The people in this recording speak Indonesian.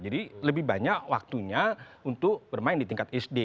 lebih banyak waktunya untuk bermain di tingkat sd